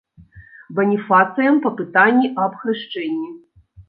Баніфацыем па пытанні аб хрышчэнні.